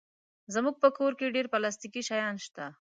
زموږ په کور کې ډېر پلاستيکي شیان شته.